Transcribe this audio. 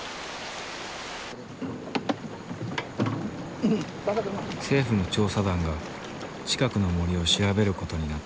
政府の調査団が近くの森を調べる事になった。